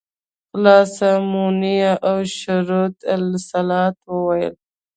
خلاصه مونيه او شروط الصلاة وويل.